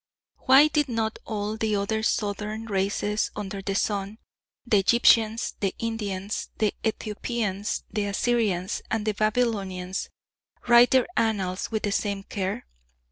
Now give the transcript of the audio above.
Why did not all the other Southern races under the sun the Egyptians, the Indians, the Ethiopians, the Assyrians and the Babylonians write their annals with the same care?